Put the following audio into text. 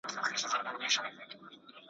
تا خو لیدې د خزانونو له چپاوه کډي `